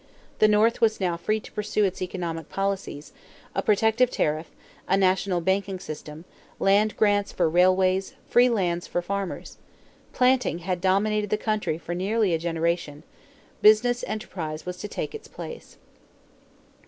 The North was now free to pursue its economic policies: a protective tariff, a national banking system, land grants for railways, free lands for farmers. Planting had dominated the country for nearly a generation. Business enterprise was to take its place.